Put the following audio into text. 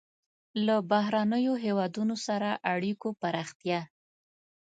له بهرنیو هېوادونو سره اړیکو پراختیا.